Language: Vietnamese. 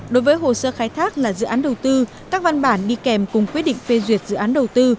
đối với hồ sơ khai thác là dự án đầu tư các văn bản đi kèm cùng quyết định phê duyệt dự án đầu tư